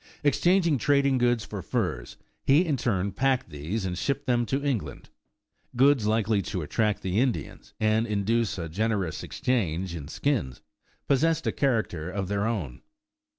Exchanging trading goods for furs, he in turn packed these and shipped them to England. Goods likely to attract the Indians, and induce a generous exchange in skins, possessed a character of their own.